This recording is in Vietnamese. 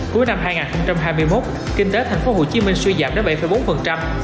cuối năm hai nghìn hai mươi một kinh tế tp hcm suy giảm đến bảy bốn